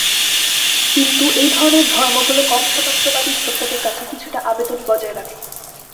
কিন্তু, এই ধরনের ধর্মগুলো কম স্বতন্ত্রবাদী শ্রোতাদের কাছে কিছুটা আবেদন বজায় রাখে।